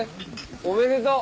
おめでとう。